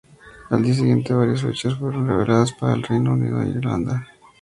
Al día siguiente, varias fechas fueron reveladas para el Reino Unido e Irlanda.